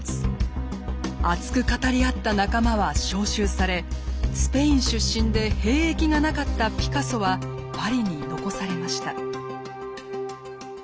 熱く語り合った仲間は招集されスペイン出身で兵役がなかったピカソはパリに残されました。